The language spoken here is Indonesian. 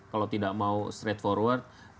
kalau tidak mau straight forward